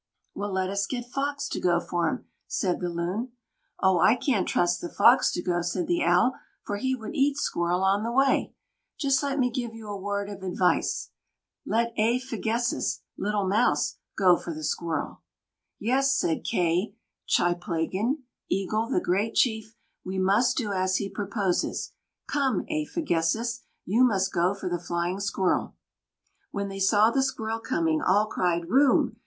"Well, let us get Fox to go for him," said the Loon. "Oh! I can't trust the Fox to go," said the Owl; "for he would eat Squirrel on the way. Just let me give you a word of advice. Let Āfiguessis [Little Mouse] go for the Squirrel." "Yes," said K'chīplāgan, Eagle, the great chief, "we must do as he proposes. Come, Āfiguessis, you must go for the Flying Squirrel." When they saw the Squirrel coming, all cried: "Room!